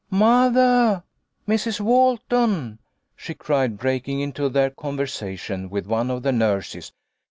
" Mothah ! Mrs. Walton !" she cried, breaking into their conversation with one of the nurses.